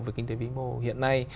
về kinh tế vĩ mô hiện nay